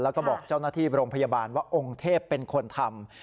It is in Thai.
แล้วก็บอกเจ้าหน้าที่โรงพยาบาลว่าองค์เทพเป็นคนทำ